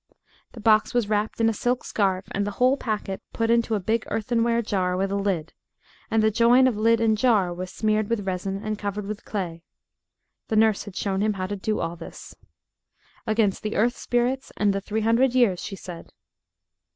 The box was wrapped in a silk scarf, and the whole packet put into a big earthenware jar with a lid, and the join of lid and jar was smeared with resin and covered with clay. The nurse had shown him how to do all this. "Against the earth spirits and the three hundred years," she said.